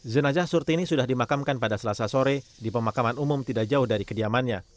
jenazah surtini sudah dimakamkan pada selasa sore di pemakaman umum tidak jauh dari kediamannya